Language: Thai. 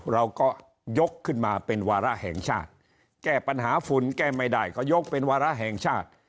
เราก็ยกขึ้นมาเป็นวาระแห่งชาติแก้ปัญหาฝุ่นแก้ไม่ได้ก็ยกเป็นวาระแห่งชาติ